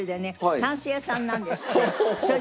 タンス屋さんなんですね。